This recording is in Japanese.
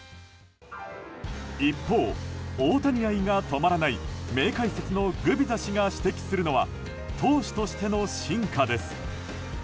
一方、大谷愛が止まらない名解説のグビザ氏が指摘するのは投手としての進化です。